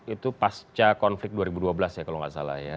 itu pasca konflik dua ribu dua belas ya kalau nggak salah ya